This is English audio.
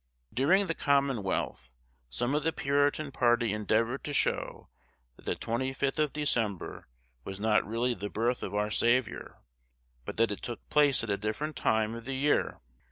During the Commonwealth, some of the Puritan party endeavoured to show that the 25th of December was not really the Birth of our Saviour, but that it took place at a different time of the year.